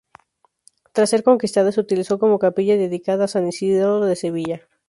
Tras ser conquistada, se utilizó como capilla dedicada a San Isidoro de Sevilla.